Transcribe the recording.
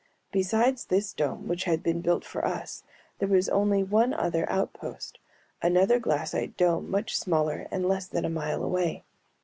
Besides this dome which had been built for us there was only one other outpost, another glassite dome much smaller and less than a mile away.